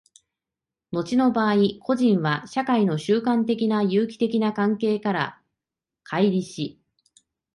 後の場合、個人は社会の習慣的な有機的な関係から乖離し、